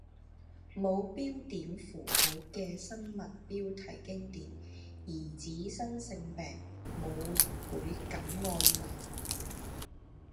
冇標點符號嘅新聞標題經典：兒子生性病母倍感安慰